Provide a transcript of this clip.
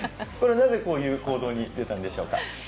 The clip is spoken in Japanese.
これは、なぜこういう行動をとられたんでしょうか。